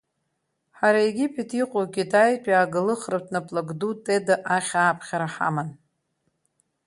Ҳара Египет иҟоу Китаитәи ааглыхратә наплак ду Теда ахь ааԥхьара ҳаман.